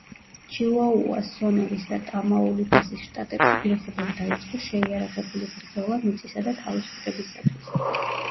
ჩიუაუას, სონორის და ტამაულიპასის შტატებში გლეხობამ დაიწყო შეიარაღებული ბრძოლა მიწისა და თავისუფლებისათვის.